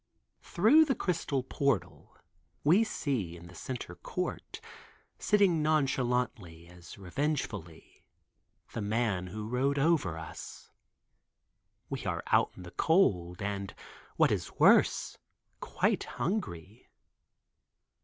Through the crystal portal, we see in the center court, sitting nonchalantly as revengefully, the man who rode over us. We are out in the cold, and what is worse, quite hungry.